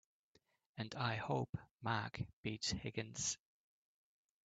And I hope Mark beats Higgins!